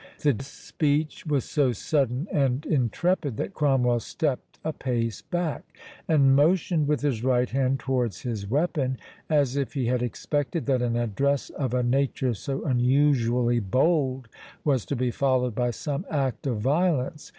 The speech was so sudden and intrepid that Cromwell stepped a pace back, and motioned with his right hand towards his weapon, as if he had expected that an address of a nature so unusually bold was to be followed by some act of violence.